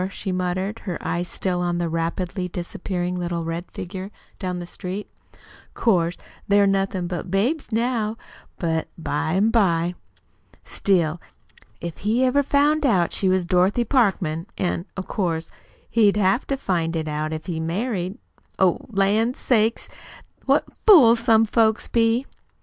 she muttered, her eyes still on the rapidly disappearing little red figure down the street. "Oh, 'course they're nothin' but babies now, but by an' by ! Still, if he ever found out she was Dorothy Parkman, an' of course he'd have to find it out if he married Oh, lan' sakes, what fools some folks be!"